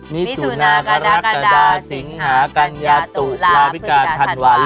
มิถุนากรกดาศิงหากรรยาตุลาภุติกาถวัตร